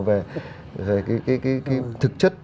về cái thực chất